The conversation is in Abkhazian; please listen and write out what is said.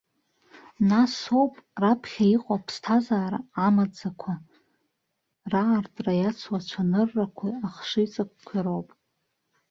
Насоуп, раԥхьа иҟоу аԥсҭазаара амаӡақәа раартра иацу ацәаныррақәеи ахшыҩҵакқәеи роуп.